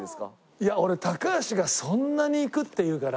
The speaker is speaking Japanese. いや俺高橋が「そんなにいく？」って言うから。